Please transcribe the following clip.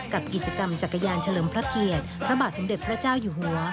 กับกิจกรรมจักรยานเฉลิมพระเกียรติพระบาทสมเด็จพระเจ้าอยู่หัว